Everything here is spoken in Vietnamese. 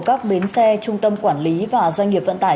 các bến xe trung tâm quản lý và doanh nghiệp vận tải